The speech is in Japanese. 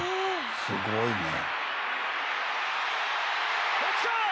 「すごいね」